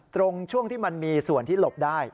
ตรงช่วงที่มันมีส่วนที่หลบได้